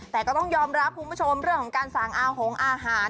แต่ก็ต้องยอมรับคุณผู้ชมเรื่องของการสั่งอาหงอาหาร